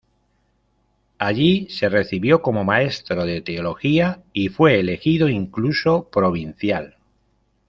Allí se recibió como maestro de Teología y fue elegido incluso provincial.